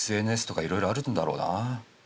ＳＮＳとかいろいろあるんだろうな。